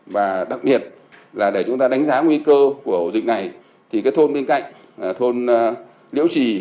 và đặc biệt là để chúng ta đánh giá nguy cơ của ổ dịch này thì cái thôn bên cạnh thôn nhiễu trì